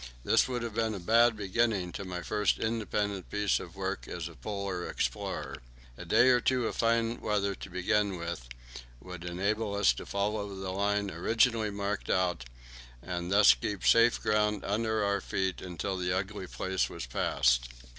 That would have been a bad beginning to my first independent piece of work as a Polar explorer. A day or two of fine weather to begin with would enable us to follow the line originally marked out, and thus keep safe ground under our feet until the ugly place was passed.